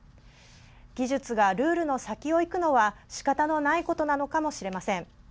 技術がルールの先をいくのはしかたのないことなのかもしれません。